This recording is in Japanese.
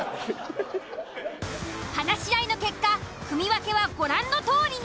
話し合いの結果組分けはご覧のとおりに。